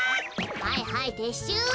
はいはいてっしゅう。